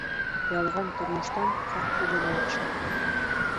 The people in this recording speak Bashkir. Ялған тормоштан хаҡ үлем яҡшы.